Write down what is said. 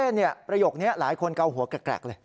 ประโยคนี้หลายคนเกาหัวแกรกเลย